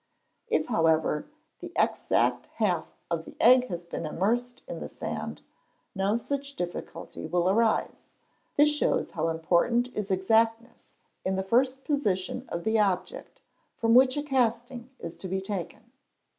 If, however, the exact half of the egg has been immersed in the sand, no such difficulty will arise; this shows how important is exactness in the first position of the object from which a tasting is to be taken.